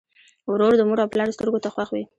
ورور د مور او پلار سترګو ته خوښ وي.